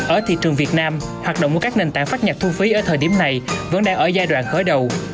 ở thị trường việt nam hoạt động của các nền tảng phát nhạc thu phí ở thời điểm này vẫn đang ở giai đoạn khởi đầu